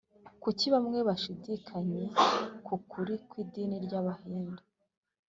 kuki bamwe bashidikanyije ku kuri kw’idini ry’abahindu?